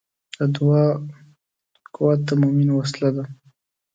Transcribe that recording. د دعا قوت د مؤمن وسله ده.